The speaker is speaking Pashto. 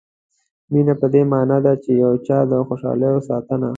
مینه په دې معنا ده چې د یو چا د خوشالیو ساتنه.